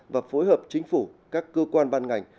và phối hợp chính phủ các cơ quan ban ngành